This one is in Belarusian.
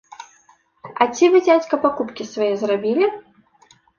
А ці вы, дзядзька, пакупкі свае зрабілі?